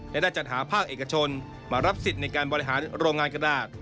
และได้จัดหาภาคเอกชนมารับสิทธิ์ในการบริหารโรงงานกระดาษ